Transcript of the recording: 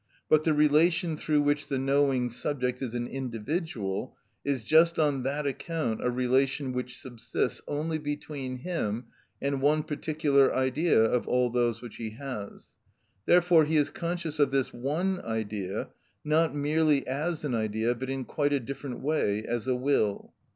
But the relation through which the knowing subject is an individual, is just on that account a relation which subsists only between him and one particular idea of all those which he has. Therefore he is conscious of this one idea, not merely as an idea, but in quite a different way as a will.